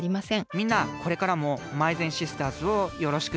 みんなこれからもまいぜんシスターズをよろしく！